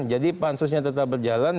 jadi pansusnya tetap berjalan